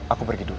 aku pergi dulu